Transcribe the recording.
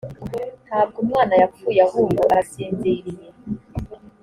ntabwo umwana yapfuye ahubwo arasinziriye